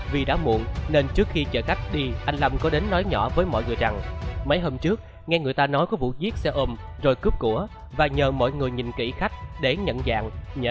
vì đã muộn nên trước khi chở khách đi anh lâm có đến nói nhỏ với mọi người rằng mấy hôm trước nghe người ta nói có vụ giết xe ôm rồi cướp của và nhờ mọi người nhìn kỹ khách để nhận dạng nhớ có vấn đề xảy ra còn biết